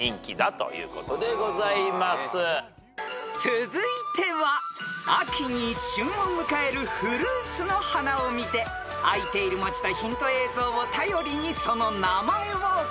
［続いては秋に旬を迎えるフルーツの花を見てあいている文字とヒント映像を頼りにその名前をお答えください］